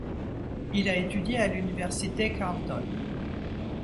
Il a étudié à l'université Carleton.